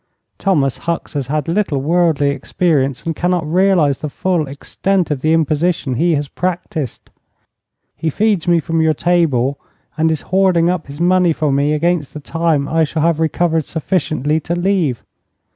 Thomas Hucks has had little worldly experience, and cannot realize the full extent of the imposition he has practiced. He feeds me from your table, and is hoarding up his money for me against the time I shall have recovered sufficiently to leave.